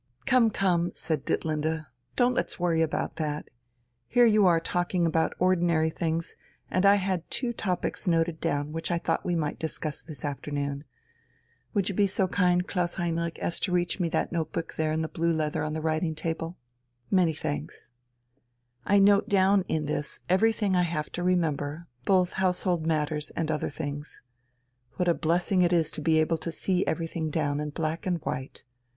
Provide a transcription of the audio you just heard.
"Come, come!" said Ditlinde. "Don't let's worry about that. Here you are talking about ordinary things, and I had two topics noted down which I thought we might discuss this afternoon.... Would you be so kind, Klaus Heinrich, as to reach me that notebook there in blue leather on the writing table? Many thanks. I note down in this everything I have to remember, both household matters and other things. What a blessing it is to be able to see everything down in black and white!